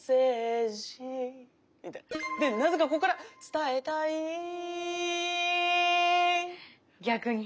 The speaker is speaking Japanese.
でなぜかここからつたえたい逆に。